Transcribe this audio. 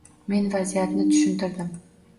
Men vaziyatni tushuntirdim